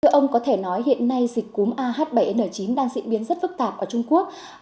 ông có thể nói hiện nay dịch cúm ah bảy n chín đang diễn biến rất phức tạp ở trung quốc